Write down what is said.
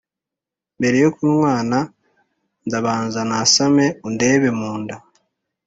mbere yo kunywana, ndabanza nasame undebe mu nda